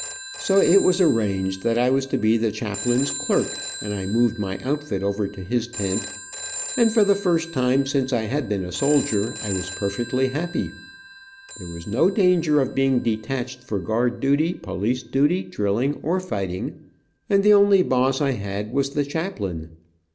So it was arranged that I was to be the chaplain's clerk, and I moved my outfit over to his tent, and for the first time since I had been a soldier, I was perfectly happy. There was no danger of being detached for guard duty, police duty, drilling, or fighting, and the only boss I had was the chaplain.